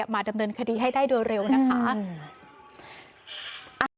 มาดำเนินคดีให้ได้โดยเร็วนะคะ